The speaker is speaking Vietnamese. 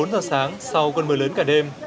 bốn giờ sáng sau cơn mưa lớn cả đêm